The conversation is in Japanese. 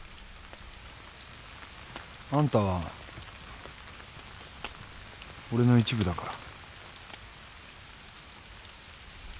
あんたは俺の一部だから。